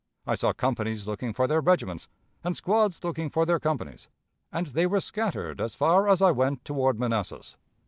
I saw companies looking for their regiments, and squads looking for their companies, and they were scattered as far as I went toward Manassas.